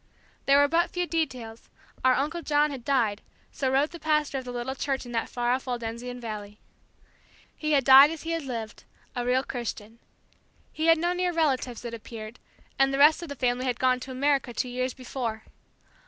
There were but few details. Our Uncle John had died; so wrote the pastor of the little church in that far off Waldensian Valley. He had died as he had lived a real Christian. He had no near relatives, it appeared; and the rest of the family had gone to America two years before.